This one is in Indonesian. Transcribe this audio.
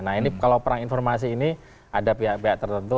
nah ini kalau perang informasi ini ada pihak pihak tertentu